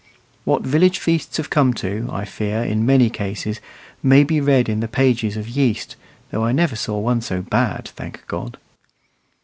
What village feasts have come to, I fear, in many cases, may be read in the pages of "Yeast" (though I never saw one so bad thank God!).